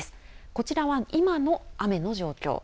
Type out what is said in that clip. こちらは今の雨の状況。